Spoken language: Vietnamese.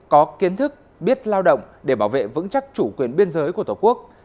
có kiến thức biết lao động để bảo vệ vững chắc chủ quyền biên giới của tổ quốc